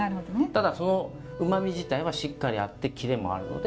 ただうまみ自体はしっかりあってキレもあるので。